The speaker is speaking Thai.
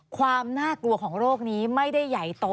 ความน่ากลัวของโรคนี้ไม่ได้ใหญ่โต